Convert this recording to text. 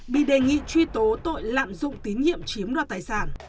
bị đề nghị truy tố tội lạm dụng tín nhiệm chiếm đoạt tài sản